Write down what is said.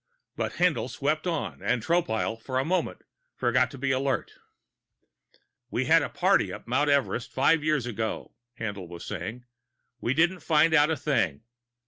But Haendl swept on and Tropile, for a moment, forgot to be alert. "We had a party up Mount Everest five years ago," Haendl was saying. "We didn't find out a thing.